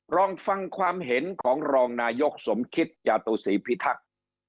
ลองฟังความเห็นของรองนายกสมคิตจาตุศีพิทักษ์